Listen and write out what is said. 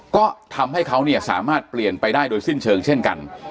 ก็ทำให้เขาเนี่ยสามารถเปลี่ยนไปได้โดยสิ้นเชิงเช่นกัน